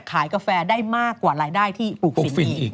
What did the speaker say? กาแฟได้มากกว่ารายได้ที่ปลูกสีฟรีอีก